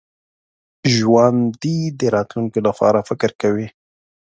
ژوندي د راتلونکي لپاره فکر کوي